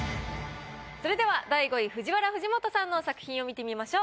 それでは第５位ＦＵＪＩＷＡＲＡ・藤本さんの作品を見てみましょう。